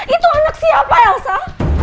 itu anak siapa elsa